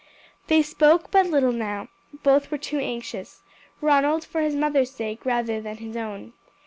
They spoke but little now. Both were too anxious, Ronald for his mother's sake rather than his own.